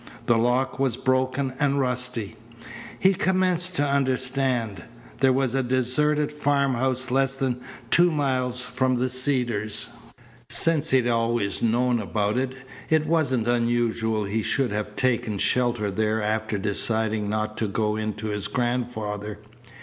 The lock was broken and rusty. He commenced to understand. There was a deserted farmhouse less than two miles from the Cedars. Since he had always known about it, it wasn't unusual he should have taken shelter there after deciding not to go in to his grandfather.